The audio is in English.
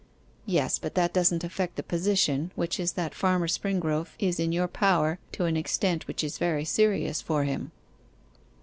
'Yes, but that doesn't affect the position, which is that Farmer Springrove is in your power to an extent which is very serious for him.